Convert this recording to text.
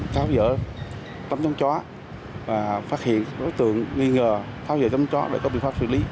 tháo gỡ tấm chống chói và phát hiện đối tượng nghi ngờ tháo gỡ tấm chói để có biện pháp xử lý